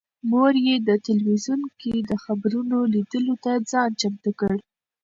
مور یې په تلویزون کې د خبرونو لیدلو ته ځان چمتو کړ.